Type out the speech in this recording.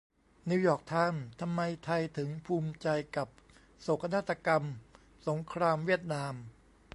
นิวยอร์กไทม์ : ทำไมไทยถึงภูมิใจกับโศกนาฏกรรมสงครามเวียดนาม